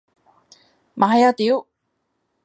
買啊屌！